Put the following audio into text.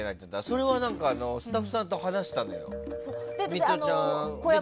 それはスタッフさんと話したんだよね。